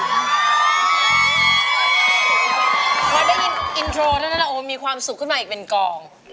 พอได้ยินอินโทรเท่านั้นโอ้มีความสุขขึ้นมาอีกเป็นกอง